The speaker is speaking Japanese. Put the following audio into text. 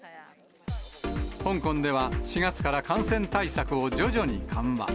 香港では、４月から感染対策を徐々に緩和。